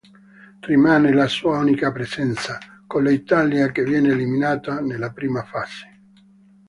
Rimane la sua unica presenza, con l'Italia che viene eliminata nella prima fase.